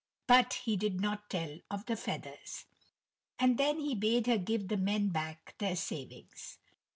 But he did not tell of the feathers. And then he bade her give the men back their savings.